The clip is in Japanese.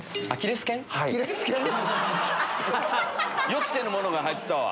予期せぬものが入ってたわ。